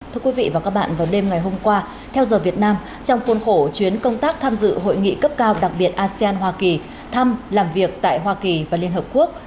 thưa quý vị và các bạn vào đêm ngày hôm qua theo giờ việt nam trong khuôn khổ chuyến công tác tham dự hội nghị cấp cao đặc biệt asean hoa kỳ thăm làm việc tại hoa kỳ và liên hợp quốc